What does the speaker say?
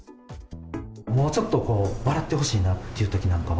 もうちょっと笑ってほしいなっていうときなんかは。